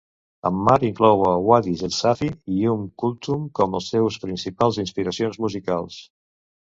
Ammar inclou a Wadih El Safi i Umm Kulthum com els seus principals inspiracions musicals.